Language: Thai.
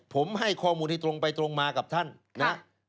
ผมให้ข้อมูลที่ตรงไปตรงมากับท่านนะ